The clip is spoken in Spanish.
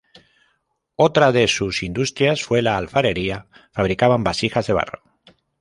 Otra de sus industrias fue la alfarería; fabricaban vasijas de barro.